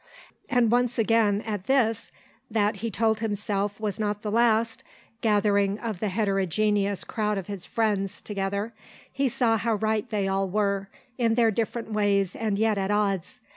And once again, at this, that he told himself was not the last, gathering of the heterogeneous crowd of his friends together, he saw how right they all were, in their different ways and yet at odds.